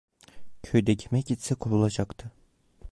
Köyde kime gitse kovulacaktı.